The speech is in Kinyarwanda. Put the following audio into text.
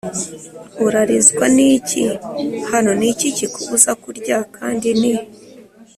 Urarizwa n iki Hana Ni iki kikubuza kurya kandi ni